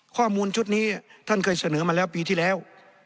ข้อมูลชุดนี้ท่านเคยเสนอมาแล้วปีที่แล้ว